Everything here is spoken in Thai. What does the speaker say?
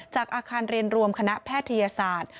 จากอาคารเรียนรวมคณะแพทยศาสตร์